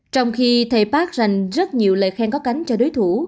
trong khi thầy park dành rất nhiều lời khen có cánh cho đối thủ